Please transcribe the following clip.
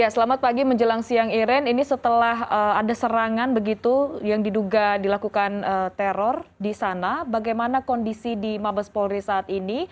selamat pagi menjelang siang iren ini setelah ada serangan begitu yang diduga dilakukan teror di sana bagaimana kondisi di mabes polri saat ini